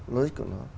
logic của nó